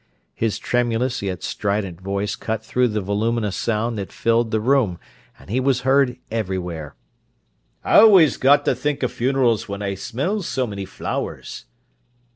His tremulous yet strident voice cut through the voluminous sound that filled the room, and he was heard everywhere: "Always got to think o' funerals when I smell so many flowers!"